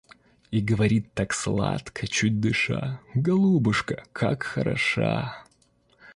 И говорит так сладко, чуть дыша: «Голубушка, как хороша!»